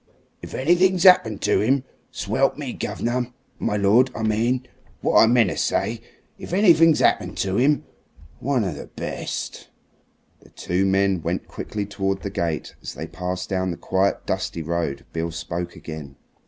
If anything's happened to 'im! Swelp me! gov'ner my lord, I mean. What I meanter say, if anything's 'appened to 'im! One of the best!" The two men went quickly towards the gate. As they passed down the quiet, dusty road Beale spoke again.